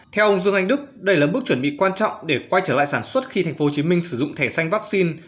theo ông dương anh đức đây là bước chuẩn bị quan trọng để quay trở lại sản xuất khi tp hcm sử dụng thẻ xanh vaccine